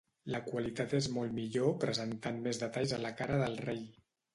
La qualitat és molt millor presentant més detalls a la cara del rei.